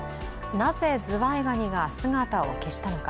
なぜ、ズワイガニが姿を消したのか。